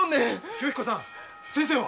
清彦さん先生は？